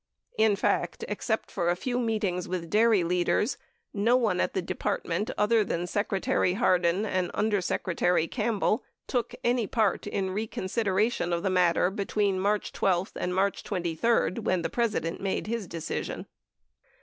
In fact, except for a few meetings with dairy leaders, no one at the Department, other than Secretary Hardin and Under Secretary Campbell, took any part in a reconsideration of the matter between March 12 and March 23, when the President made his decision.